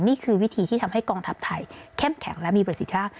นี่คือวิธีที่ทำให้กองทัพไทยเข้มแข็งและมีประสิทธิภาพ